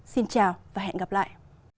xin chào và hẹn gặp lại